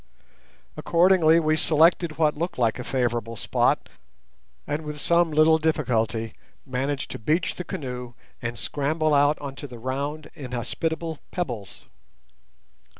Accordingly we selected what looked like a favourable spot, and with some little difficulty managed to beach the canoe and scramble out on to the round, inhospitable pebbles.